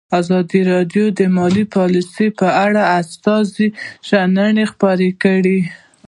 ازادي راډیو د مالي پالیسي په اړه د استادانو شننې خپرې کړي.